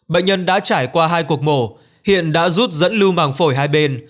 bệnh nhân đã trải qua hai cuộc mổ hiện đã rút dẫn lưu màng phổi hai bên